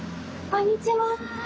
こんにちは。